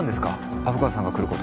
虻川さんが来ること。